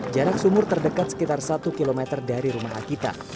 jarak sumur terdekat sekitar satu km dari rumah akita